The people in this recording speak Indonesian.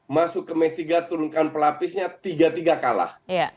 masuk ke match tiga turunkan pelapisnya tiga tiga kalah